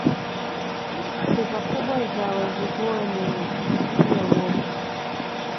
Sifa kubwa ya Wazigua ni kuchukia uovu